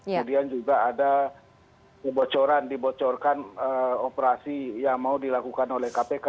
kemudian juga ada kebocoran dibocorkan operasi yang mau dilakukan oleh kpk